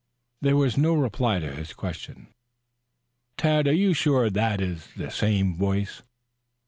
There was no reply to his question. "Tad, are you sure that is the same voice?"